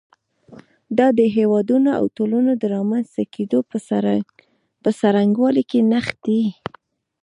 دا د هېوادونو او ټولنو د رامنځته کېدو په څرنګوالي کې نغښتی.